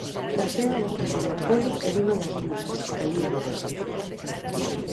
Orfeo era fillo de Apolo e dunha das musas, Calíope.